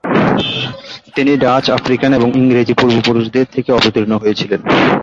তিনি Dutch, African এবং ইংরেজি পূর্বপুরুষদের থেকে অবতীর্ণ হয়েছিলেন।